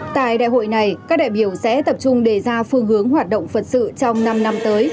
tại đại hội này các đại biểu sẽ tập trung đề ra phương hướng hoạt động phật sự trong năm năm tới